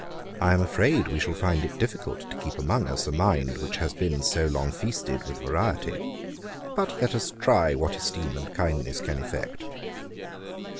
I am afraid we shall find it difficult to keep among us a mind which has been so long feasted with variety. But let us try what esteem and kindness can effect.